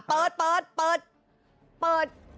เปิด